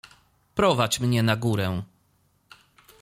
Prowadź mnie na górę.